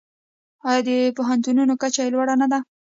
آیا د پوهنتونونو کچه یې لوړه نه ده؟